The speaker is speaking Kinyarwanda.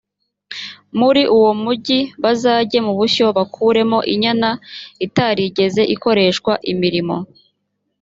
muri uwo mugi bazajye mu bushyo bakuremo inyana itarigeze ikoreshwa imirimo